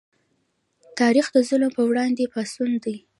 تاریخ د ظلم پر وړاندې پاڅون دی.